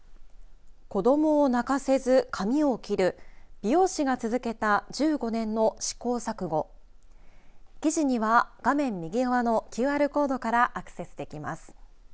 子どもを泣かせず髪を切る美容師が続けた１５年の試行錯誤記事には画面右側のＱＲコードからアクセスできます。